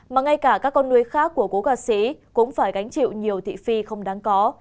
mà ngay cả các con nuôi khác của cố ca sĩ cũng phải gánh chịu nhiều thị phi không đáng có